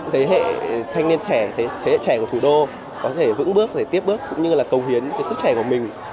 thế hệ thanh niên trẻ thế hệ trẻ của thủ đô có thể vững bước có thể tiếp bước cũng như là cầu hiến cái sức trẻ của mình